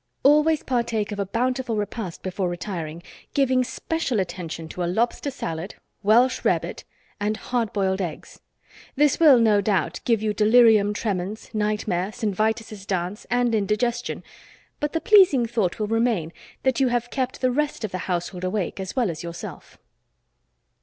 Always partake of a bountiful repast before retiring, giving special attention to a lobster salad, welsh rarebit and hard boiled eggs. This will, no doubt, give you delirium tremens, night mare, St. Vitus' dance and indigestion, but the pleasing thought will remain that you have kept the rest of the household awake as well as yourself.